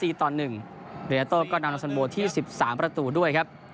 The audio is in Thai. เรียโต้ก็นำลาสันโบที่๑๓ประตูด้วยครับ